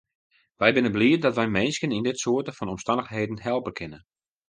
Wy binne bliid dat wy minsken yn dit soarte fan omstannichheden helpe kinne.